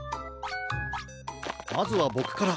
まずはボクから！